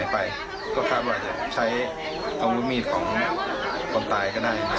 ตอนนี้ก็ติดตามตัวท่านก็ต้องสงสัยอยู่นะครับ